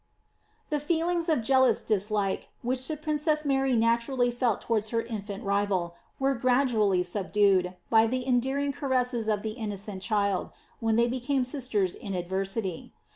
* The feelings of jealous dislike, which the princess Mary naturally felt towards her inftint rival, were gradually subdued, by the endearing caresses of tlie innocent child, when they became sisters in adversity.